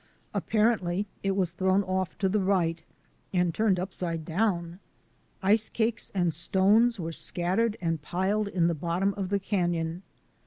Apparently it was thrown off to the right and turned upside down. Ice cakes and stones were scattered and piled in the bottom of the canon.